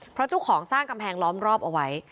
เพราะเจ้าของสร้างกำแพงล้อมรอบเอาไว้